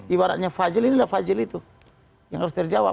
ibaratnya fajl inilah fajl itu yang harus terjawab